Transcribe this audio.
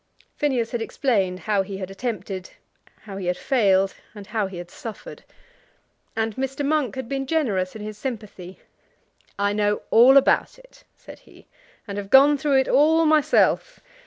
Phineas had explained how he had attempted, how he had failed, and how he had suffered; and Mr. Monk had been generous in his sympathy. "I know all about it," said he, "and have gone through it all myself.